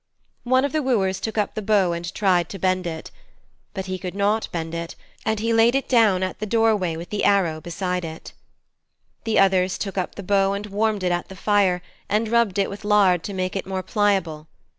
One of the wooers took up the bow and tried to bend it. But he could not bend it, and he laid it down at the doorway with the arrow beside it. The others took up the bow, and warmed it at the fire, and rubbed it with lard to make it more pliable.